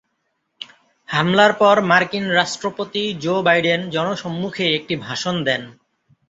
হামলার পর মার্কিন রাষ্ট্রপতি জো বাইডেন জনসম্মুখে একটি ভাষণ দেন।